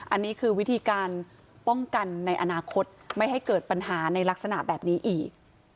อันนี้คือวิธีการป้องกันในอนาคตไม่ให้เกิดปัญหาในลักษณะแบบนี้อีก